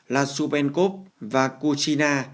là subankop và kuchina